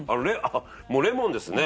もうレモンですね。